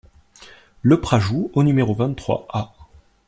Le Prajou au numéro vingt-trois A